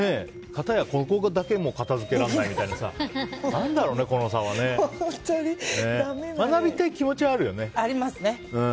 片やここだけでも片づけられない人もいるって何だろうね、この差はね。学びたい気持ちはあるよね。